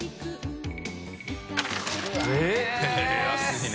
安いね。